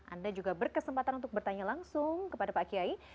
anda juga berkesempatan untuk bertanya langsung kepada pak kiai